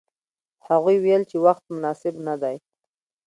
هغوی ویل چې وخت مناسب نه دی.